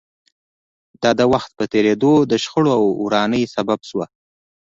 دا د وخت په تېرېدو د شخړو او ورانۍ سبب شوه